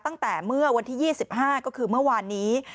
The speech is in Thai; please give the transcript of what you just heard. ตั้งแต่เมื่อวันที่๒๕ก็คือเมื่อวานนี้